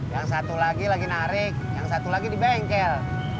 yang satu lagi lagi narik yang satu lagi di bengkel